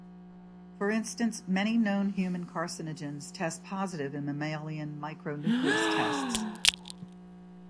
For instance, many known human carcinogens test positive in mammalian micronucleus tests.